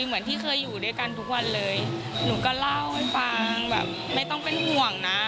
เหมือนที่เคยอยู่ด้วยกันทุกวันเลยหนูก็เล่าให้ฟังแบบไม่ต้องเป็นห่วงนะ